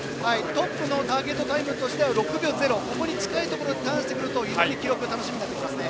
トップのターゲットタイムは６秒０、ここに近いところでターンしてくると非常に記録が楽しみになりますね。